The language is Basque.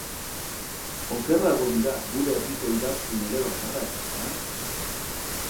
Okerrago dira gure herriko idazkun elebakarrak, ezta?